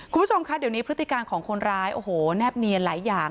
คุณผู้ชมคะเดี๋ยวนี้พฤติการของคนร้ายโอ้โหแนบเนียนหลายอย่าง